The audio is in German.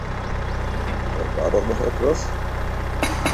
Da war doch noch etwas?